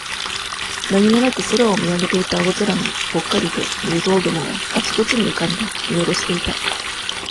何気なく空を見上げていた青空に、ポッカリと、入道雲が、あちこちに浮かんで、見おろしていた。